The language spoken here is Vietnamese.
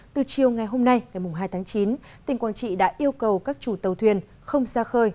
từ chiều ngày hôm nay ngày hai tháng chín tỉnh quảng trị đã yêu cầu các chủ tàu thuyền không ra khơi